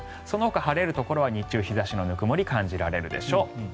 そのほか晴れるところは日中、日差しのぬくもりを感じられるでしょう。